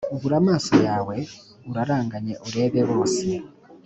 ubura amaso yawe uraranganye urebe bose